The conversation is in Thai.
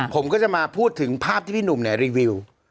ผมก็จะมาพูดถึงภาพที่พี่หนุ่มรีวิว